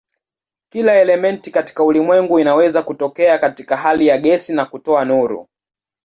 Kila elementi katika ulimwengu inaweza kutokea katika hali ya gesi na kutoa nuru.